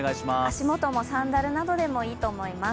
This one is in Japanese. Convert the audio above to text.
足元もサンダルなどでもいいと思います。